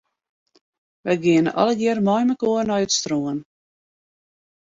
Wy geane allegear meimekoar nei it strân.